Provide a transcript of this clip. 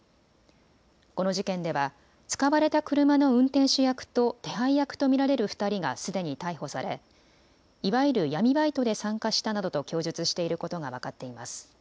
この事件では使われた車の運転手役と手配役と見られる２人がすでに逮捕されいわゆる闇バイトで参加したなどと供述していることが分かっています。